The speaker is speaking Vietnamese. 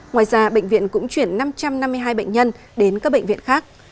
ngoài ra bệnh viện cũng chuyển năm trăm năm mươi hai bệnh nhân đến các bệnh viện khác